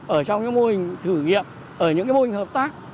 ở trong những mô hình thử nghiệm ở những mô hình hợp tác